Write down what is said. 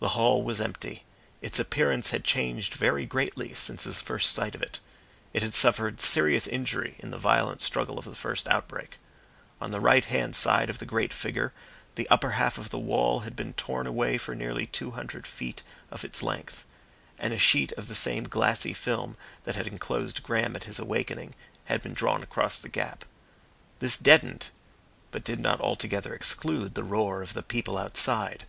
The hall was empty. Its appearance had changed very greatly since his first sight of it. It had suffered serious injury in the violent struggle of the first outbreak. On the right hand side of the great figure the upper half of the wall had been torn away for nearly two hundred feet of its length, and a sheet of the same glassy film that had enclosed Graham at his awakening had been drawn across the gap. This deadened, but did not altogether exclude the roar of the people outside.